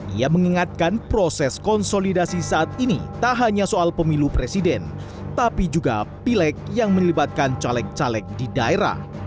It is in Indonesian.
ia mengingatkan proses konsolidasi saat ini tak hanya soal pemilu presiden tapi juga pileg yang melibatkan caleg caleg di daerah